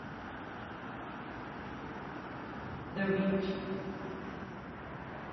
The Reach!